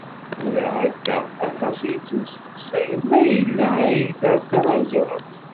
Tura akka, aṭas i yettmesteqsayen mayella Ai-Da d tanaẓurt.